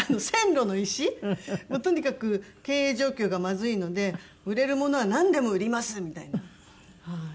もうとにかく経営状況がまずいので売れるものはなんでも売りますみたいなはい。